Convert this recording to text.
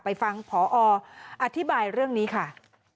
ไปฟังพออธิบายเรื่องนี้ค่ะ